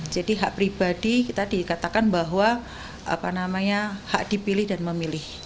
jadi hak pribadi kita dikatakan bahwa hak dipilih dan memilih